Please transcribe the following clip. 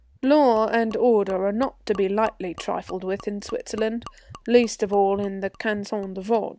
Law and order are not to be lightly trifled with in Switzerland, least of all in the Canton de Vaud.